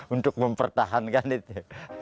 untuk mempertahankan itu